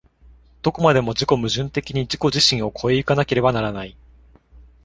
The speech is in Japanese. どこまでも自己矛盾的に自己自身を越え行かなければならない。